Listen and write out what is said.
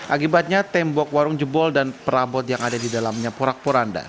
akibatnya tembok warung jebol dan perabot yang ada di dalamnya porak poranda